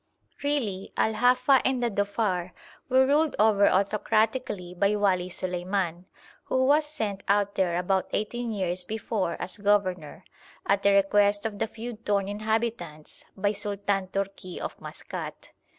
Really Al Hafa and the Dhofar were ruled over autocratically by Wali Suleiman, who was sent out there about eighteen years before as governor, at the request of the feud torn inhabitants, by Sultan Tourki of Maskat.